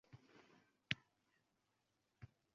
Shu bilan birgalikda, aynan yangilikka